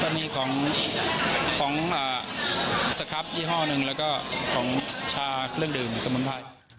มีของสครับยี่ห้อหนึ่งแล้วก็ของชาเครื่องดื่มสมุนไพร